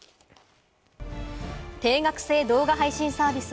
定額制動画配信サービス